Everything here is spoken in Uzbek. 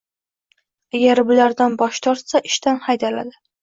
Agar bulardan bosh tortsa, ishdan haydaladi.